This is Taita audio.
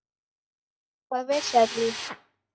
Kwaw'echa lii?